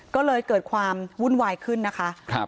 ก็เลยเกิดความวุ่นวายขึ้นนะคะ